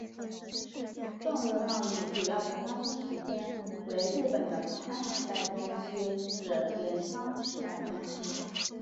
宋日贸易主要的发生时间为日本的平安时代中期至镰仓时代中期。